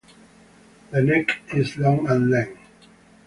The neck is long and lean.